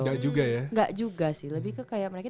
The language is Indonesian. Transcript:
enggak juga ya enggak juga sih lebih ke kayak mereka